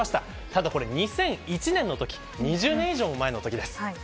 ただ、これ２００１年のとき２０年以上も前のときです。